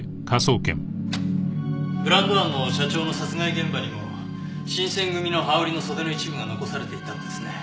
ブランド庵の社長の殺害現場にも新選組の羽織の袖の一部が残されていたんですね。